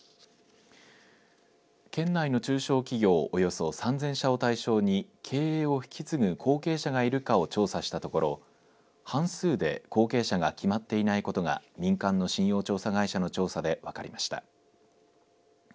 県内の中小企業およそ３０００社を対象に経営を引き継ぐ後継者がいるかを調査したところ半数で後継者が決まっていないことが民間の信用調査会社の調査で分かりました。